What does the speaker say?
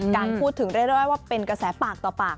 การพูดถึงเรื่อยว่าเป็นกระแสปากต่อปาก